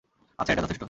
আচ্ছা, এটা যথেষ্ট।